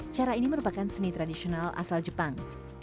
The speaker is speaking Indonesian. cara ini merupakan seni tradisional asal jepang